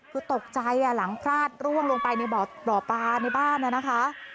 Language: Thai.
คือตกใจหลังพลาดร่วงลงไปในบ่อปลาในบ้านนะคะ